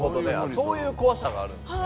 そういう怖さがあるんですね。